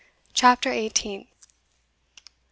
CHAPTER EIGHTEENTH.